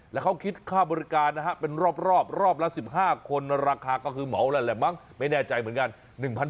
แล้วเขาคิดค่าบริการนะฮะเป็นรอบรอบละ๑๕คนราคาก็คือเหมาแล้วแหละมั้งไม่แน่ใจเหมือนกัน